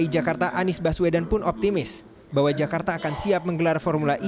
jangan lupa like share dan subscribe ya